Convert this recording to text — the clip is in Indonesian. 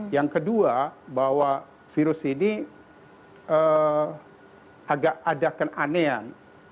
yang kedua bahwa virus ini agak ada keanehan